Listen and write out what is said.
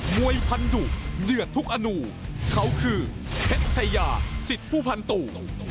มวยพันธุเหลือทุกอนุเขาคือเพชรไชยาสิทธิ์ผู้พันธุ